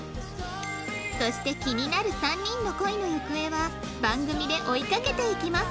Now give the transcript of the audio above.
そして気になる３人の恋の行方は番組で追い掛けていきます